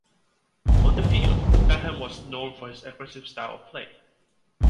On the field Betham was known for his aggressive style of play.